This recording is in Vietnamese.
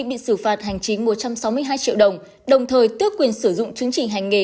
bị xử phạt hành chính một trăm sáu mươi hai triệu đồng đồng thời tước quyền sử dụng chứng chỉ hành nghề